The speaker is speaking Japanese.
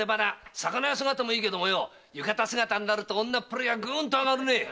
魚屋姿もいいけど浴衣姿になると女っぷりがぐんと上がるね！